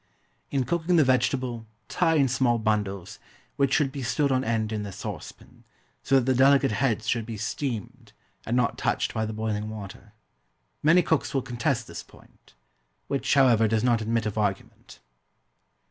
In cooking the vegetable, tie in small bundles, which should be stood on end in the saucepan, so that the delicate heads should be steamed, and not touched by the boiling water. Many cooks will contest this point; which, however, does not admit of argument.